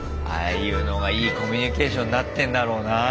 ああいうのがいいコミュニケーションになってんだろうな。